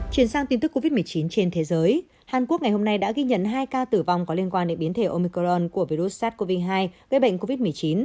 chuyển sang tin tức covid một mươi chín trên thế giới hàn quốc ngày hôm nay đã ghi nhận hai ca tử vong có liên quan đến biến thể omicron của virus sars cov hai gây bệnh covid một mươi chín